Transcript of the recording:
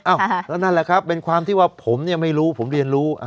แล้วนั่นแหละครับเป็นความที่ว่าผมเนี่ยไม่รู้ผมเรียนรู้